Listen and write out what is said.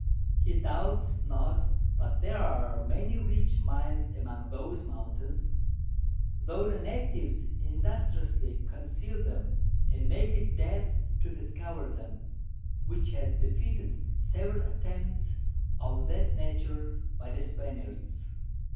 He doubts not but there are many rich Mines among those Mountains, tho' the Natives industriously conceal them, and make it Death to discover them, which has defeated several Attempts of that Nature by the Spaniards.